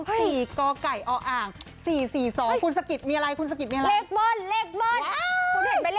คุณสกิตมีอะไรคุณสกิตมีอะไรว้าวคุณเห็นไหมเล็กบ้นเล็กบ้น